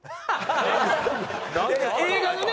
映画のね